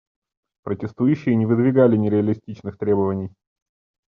Протестующие не выдвигали нереалистичных требований.